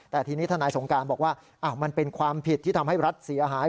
แต่ทีนี้ทนายสงการบอกว่ามันเป็นความผิดที่ทำให้รัฐเสียหาย